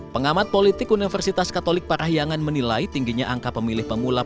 pengamat politik universitas katolik parahyangan menilai tingginya angka pemilih pemula